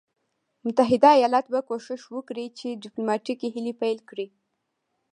متحده ایالات به کوښښ وکړي چې ډیپلوماټیکي هلې پیل کړي.